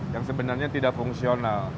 yang sebenarnya tidak fungsional